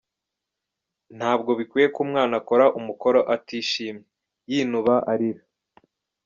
Ntabwo bikwiye ko umwana akora umukoro atishimye, yinuba, arira.